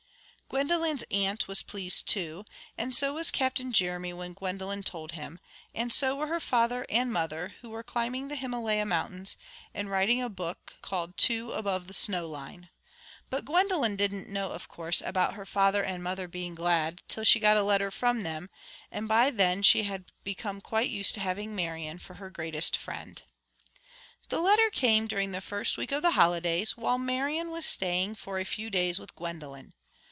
Gwendolen's aunt was pleased too, and so was Captain Jeremy when Gwendolen told him, and so were her father and mother, who were climbing the Himalaya Mountains and writing a book called Two Above the Snowline. But Gwendolen didn't know, of course, about her father and mother being glad till she got a letter from them; and by then she had become quite used to having Marian for her greatest friend. This letter came during the first week of the holidays, while Marian was staying for a few days with Gwendolen.